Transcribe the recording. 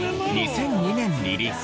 ２００２年リリース